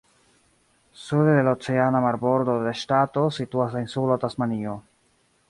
Sude de la oceana marbordo de la ŝtato situas la insulo Tasmanio.